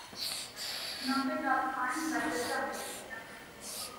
No fer cap any de tretze mesos.